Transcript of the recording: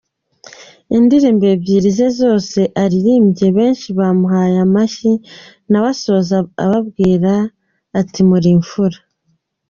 Indirimbo ebyiri ze zose aririmbye benshi bamuhaye amashyi, nawe asoza ababwira ati ‘muri imfura’.